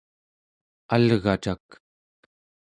algacak